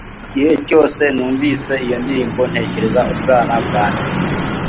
Igihe cyose numvise iyo ndirimbo, ntekereza ubwana bwanjye